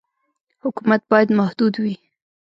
حکومت باید محدود وي.